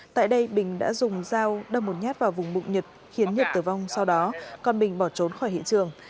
tại đây bình đã dùng dao đâm một nhát vào vùng bụng nhật khiến nhật tử vong sau đó còn bình bỏ trốn khỏi hiện trường